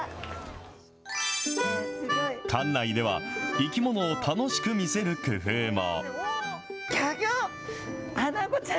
生き物を楽しく見せる工夫も。